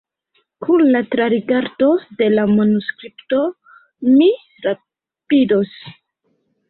Kun la trarigardo de la manuskripto mi rapidos.